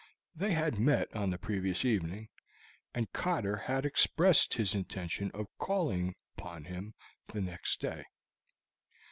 They had met on the previous evening, and Cotter had expressed his intention of calling upon him the next day.